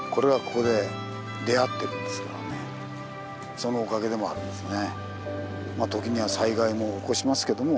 そのおかげでもあるんですね。